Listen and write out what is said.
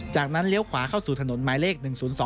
จากนั้นเลี้ยวขวาเข้าสู่ถนนหมายเลข๑๐๒